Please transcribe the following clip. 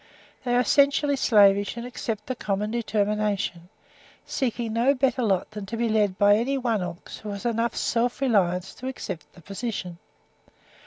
They are essentially slavish, and accept the common determination, seeking no better lot than to be led by any one ox who has enough self reliance to accept the position.